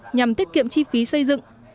nhằm tiết kiệm chi phí xây dựng